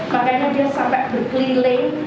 makanya dia sampai berkeliling